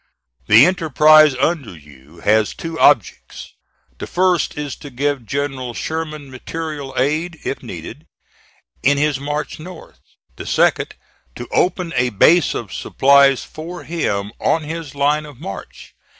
The enterprise under you has two objects: the first is to give General Sherman material aid, if needed, in his march north; the second, to open a base of supplies for him on his line of march.